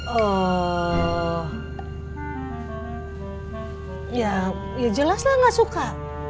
oh ya jelas lah gak suka